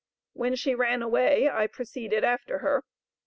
When she ran away I proceeded after her.